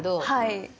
はい。